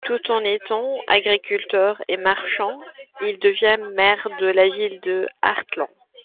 Tout en étant agriculteur et marchand, il devient maire de la ville de Hartland.